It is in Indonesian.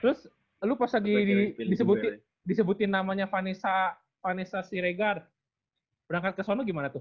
terus terus lu pas lagi disebutin namanya vanessa vanessa siregar berangkat ke sono gimana tuh